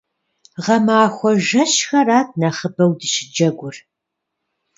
Гъэмахуэ жэщхэрат нэхъыбэу дыщыджэгур.